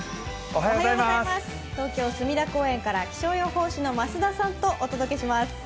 東京・隅田公園から気象予報士の増田さんとお届けします。